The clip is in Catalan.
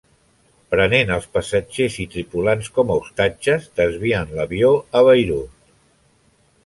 Prenent als passatgers i tripulants com a ostatges, desvien l'avió a Beirut.